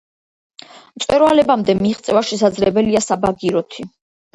მწვერვალამდე მიღწევა შესაძლებელია საბაგიროთი.